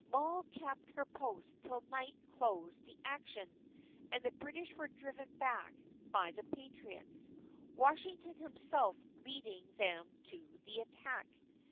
Moll kept to her post till night closed the action, and the British were driven back by the Patriots, Washington himself leading them to the attack.